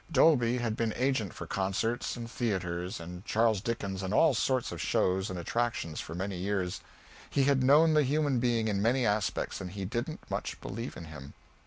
Dolby had been agent for concerts, and theatres, and Charles Dickens and all sorts of shows and "attractions" for many years; he had known the human being in many aspects, and he didn't much believe in him.